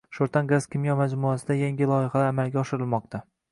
“Sho‘rtan gaz-kimyo majmuasi”da yangi loyihalar amalga oshirilmoqda